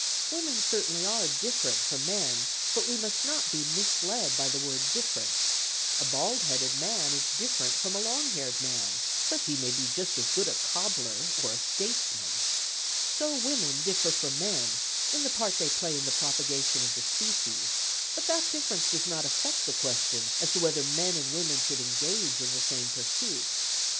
Women certainly are different from men, but we must not be misled by the word ' different.' A bald headed man is different from a long haired man, but he may be just as good a cobbler, or a statesman. So women differ from men in the part they play in the propagation of the species ; but that difference does not affect the question as to whether men and women should engage in the same pursuits.